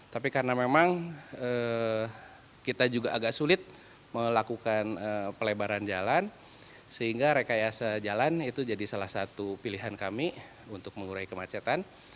tapi karena memang kita juga agak sulit melakukan pelebaran jalan sehingga rekayasa jalan itu jadi salah satu pilihan kami untuk mengurai kemacetan